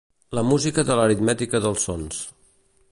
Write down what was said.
La música és l'aritmètica dels sons.